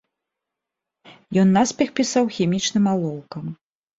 Ён наспех пісаў хімічным алоўкам.